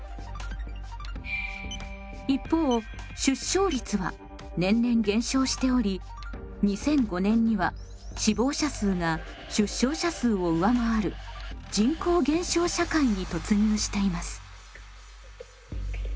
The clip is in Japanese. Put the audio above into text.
一方出生率は年々減少しており２００５年には死亡者数が出生者数を上回る人口減少社会に突入しています。